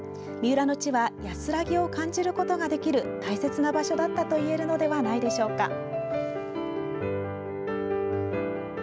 三浦の地は安らぎを感じることができる大切な場所だったといえるのではないでしょうか。